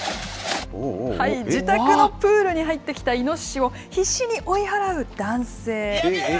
自宅のプールに入ってきたイノシシを、必死に追い払う男性。